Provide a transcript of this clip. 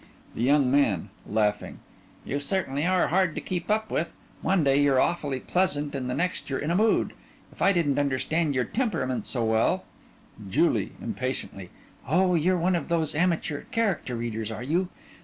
THE YOUNG MAN: You certainly are hard to keep up with. One day you're awfully pleasant and the next you're in a mood. If I didn't understand your temperament so well JULIE: (Impatiently) Oh, you're one of these amateur character readers, are you?